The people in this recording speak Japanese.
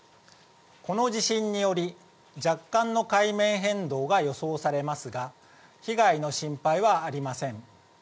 この地震により、若干の海面変動が予想されますが、被害の心配はありません。